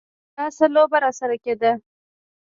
دا څه لوبه راسره کېده.